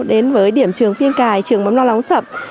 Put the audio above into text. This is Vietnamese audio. đến với điểm trường phiên cài trường mầm non lóng sập